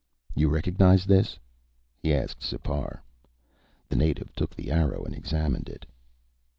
"You recognize this?" he asked Sipar. The native took the arrow and examined it.